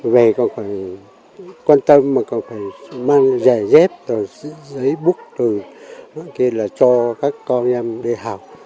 về còn phải quan tâm còn phải mang giải dép giấy bút từ đó kia là cho các con em đi học